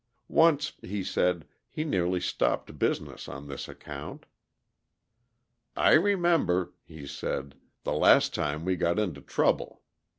Once, he said, he nearly stopped business on this account. "I remember," he said, "the last time we got into trouble.